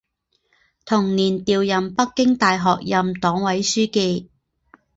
同年调任北京大学任党委书记。